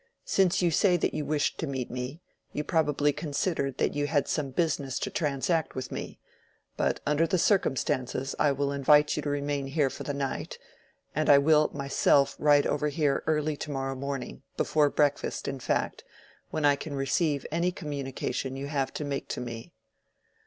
Since you say that you wished to meet me, you probably considered that you had some business to transact with me. But under the circumstances I will invite you to remain here for the night, and I will myself ride over here early to morrow morning—before breakfast, in fact—when I can receive any communication you have to make to me."